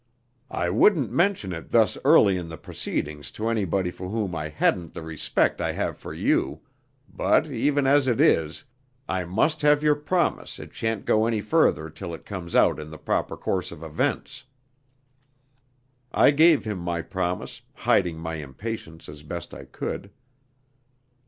I wouldn't mention it thus early in the proceedings to anybody for whom I hadn't the respect I have for you; but even as it is, I must have your promise it shan't go any further till it comes out in the proper course of events." I gave him my promise, hiding my impatience as best I could.